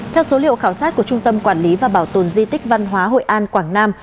theo số liệu khảo sát của trung tâm quản lý và bảo tồn di tích văn hóa hội an quảng nam